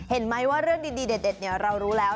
เห็นไหมว่าเรื่องดีเด็ดเรารู้แล้ว